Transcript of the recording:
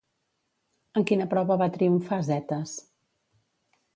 En quina prova va triomfar Zetes?